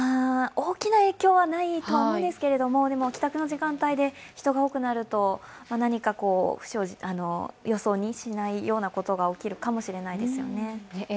大きな影響はないと思うんですけど、帰宅の時間帯で人が多くなると、何か予想しないようことが起きるかもしれないですよね。